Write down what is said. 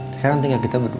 sekarang tinggal kita berdua